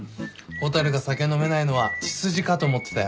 蛍が酒飲めないのは血筋かと思ってたよ。